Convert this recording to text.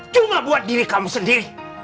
cuma buat diri kamu sendiri